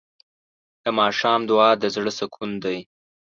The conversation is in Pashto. د ماښام دعا د زړه سکون دی.